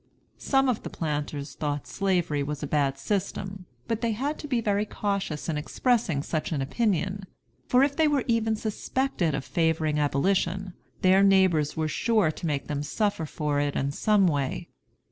Some of the planters thought Slavery was a bad system, but they had to be very cautious in expressing such an opinion; for if they were even suspected of favoring abolition, their neighbors were sure to make them suffer for it in some way.